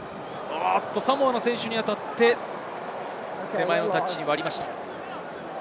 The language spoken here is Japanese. サモアの選手に当たって、手前のタッチをありました。